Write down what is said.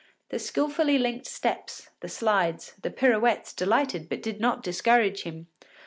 The skilfully linked steps, the slides, the pirouettes delighted but did not discourage him.